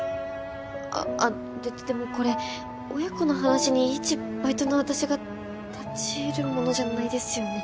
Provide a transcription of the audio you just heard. あでもこれ親子の話にいちバイトの私が立ち入るものじゃないですよね？